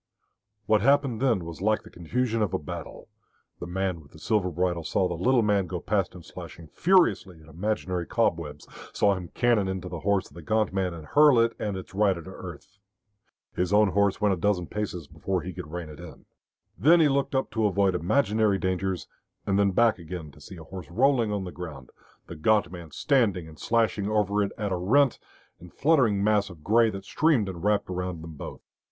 What happened then was like the confusion of a battle. The man with the silver bridle saw the little man go past him slashing furiously at imaginary cobwebs, saw him cannon into the horse of the gaunt man and hurl it and its rider to earth. His own horse went a dozen paces before he could rein it in. Then he looked up to avoid imaginary dangers, and then back again to see a horse rolling on the ground, the gaunt man standing and slashing over it at a rent and fluttering mass of grey that streamed and wrapped about them both.